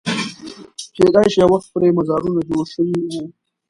کېدای شي یو وخت پرې مزارونه جوړ شوي وو.